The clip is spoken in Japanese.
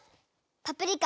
「パプリカ」